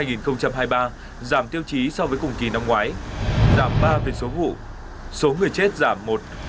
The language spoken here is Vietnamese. giảm tiêu chí so với cùng kỳ năm ngoái giảm ba về số vụ số người chết giảm một